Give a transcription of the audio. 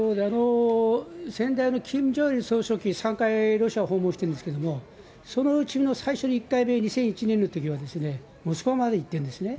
先代のキム・ジョンイル総書記、３回ロシアを訪問してるんですけれども、そのうちの最初の１回目、２００１年のときにはモスクワまで行ってるんですね。